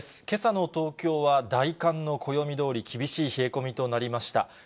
けさの東京は大寒の暦通り厳しい冷え込みとなりました。